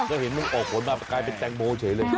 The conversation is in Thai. ก็เห็นมันออกผลมากลายเป็นแตงโมเฉยเลย